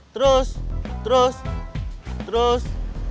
terus terus terus